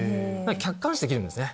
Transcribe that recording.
客観視できるんですね。